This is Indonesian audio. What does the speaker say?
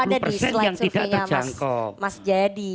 yang tidak terjangkau mas jayadi